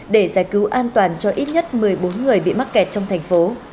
để giải cứu an toàn cho ít nhất một mươi bốn người bị mắc kẹt trong thành phố